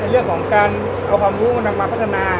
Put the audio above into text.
ในเรื่องของการเอาภาพมูลมาพัฒนา